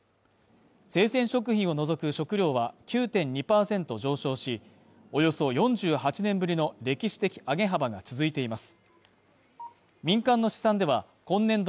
生鮮食品を除く食料は９．２％上昇し、およそ４８年ぶりの歴史的上げ幅が続いています。